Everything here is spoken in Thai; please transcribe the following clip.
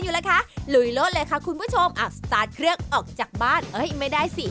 อยู่นะคะหลุยเลยค่ะคุณผู้ชมอ่ะสตาร์ทเครือกออกจากบ้านเอ๊ยไม่ได้สิ